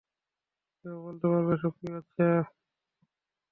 কেউ বলতে পারবে এসব কী হচ্ছে?